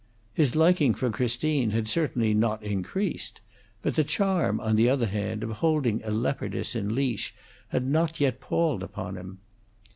His liking for Christine had certainly not increased, but the charm, on the other hand, of holding a leopardess in leash had not yet palled upon him.